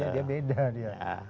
dia beda dia